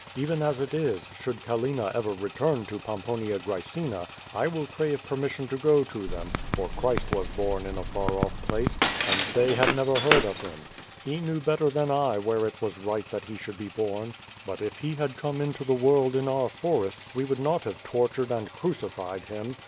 Even as it is, should Callina ever return to Pomponia Graecina, I will crave permission to go to them, for Christ was born in a far off place, and thoy have never heard of Him. He knew better than I where it was right that He should be l3orn. But if He had come QUO VADI8. 205 into the world in our forests we would not have tortured and crucified Him.